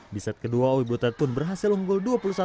di set kedua owi butet pun berhasil unggul dua puluh satu enam belas